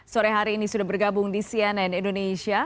sore hari ini sudah bergabung di cnn indonesia